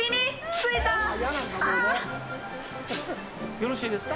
よろしいですか？